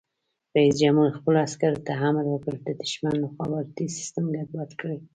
رئیس جمهور خپلو عسکرو ته امر وکړ؛ د دښمن مخابراتي سیسټم ګډوډ کړئ!